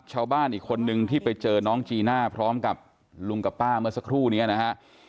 ชาวบ้านอีกคนนึงที่ไปเจอน้องจีน่าพร้อมกับลุงกับป้าเมื่อสักครู่นี้นะฮะ